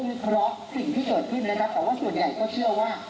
ลึกล๊อคสิ่งที่เกิดขึ้นแล้วนะครับแต่ว่าส่วนใหญ่ก็เชื่อว่า